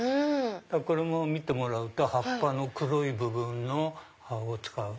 これも見てもらうと葉っぱの黒い部分を使う。